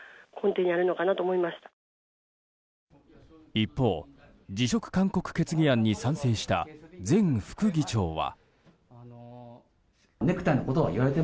一方、辞職勧告決議案に賛成した前副議長は。